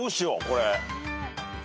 これ。